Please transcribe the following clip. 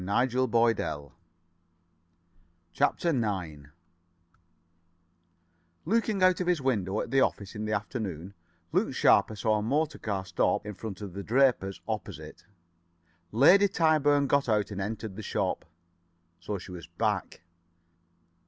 [Pg 60 61] CHAPTER IX 1 Looking out of his window at the office in the afternoon, Luke Sharper saw a motor car stop in front of the draper's opposite. Lady Tyburn got out and entered the shop. So she was back.